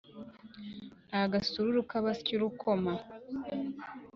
Nta gasururu k' abasya urukoma